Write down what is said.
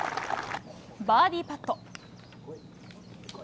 バーディーパット。